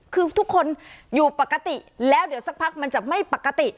คือทุกคนอยู่ปกติแล้วเดี๋ยวสักพักมันจะไม่ปกติ